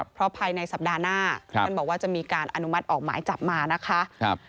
เพราะภายในสัปดาห์หน้าท่านบอกว่าจะมีการอนุมัติออกหมายจับมานะคะ